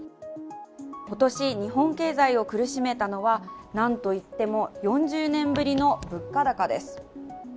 今年日本経済を苦しめたのは何といっても４０年ぶりの物価高です。